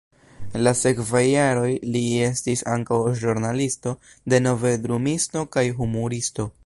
En la sekvaj jaroj li estis ankaŭ ĵurnalisto, denove drumisto kaj humuristo.